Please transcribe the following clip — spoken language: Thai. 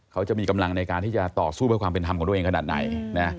เขาจะมีกำลังในการที่จะต่อสู้เพื่อความเป็นธรรมของตัวเองขนาดไหนนะ